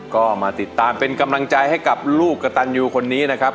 ก็มาติดตามเป็นกำลังใจให้กับลูกกระตันยูคนนี้นะครับ